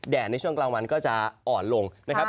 ในช่วงกลางวันก็จะอ่อนลงนะครับ